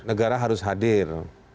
negara harus hadir